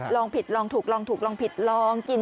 ลองผิดลองถูกลองถูกลองผิดลองกิน